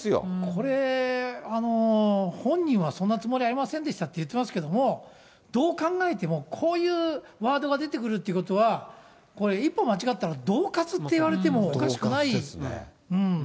これ、本人はそんなつもりありませんでしたって言ってますけども、どう考えても、こういうワードが出てくるということは、これ、一歩間違えたらどう喝っていわれてもおかしくない。